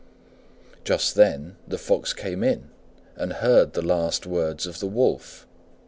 Just then the Fox came in and heard the last words of the Wolf.